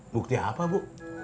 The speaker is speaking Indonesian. bukti apa bu